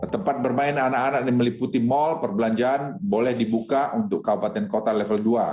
tempat bermain anak anak yang meliputi mall perbelanjaan boleh dibuka untuk kabupaten kota level dua